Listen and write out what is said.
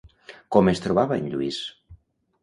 Com es trobava en Lluís?